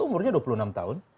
umurnya dua puluh enam tahun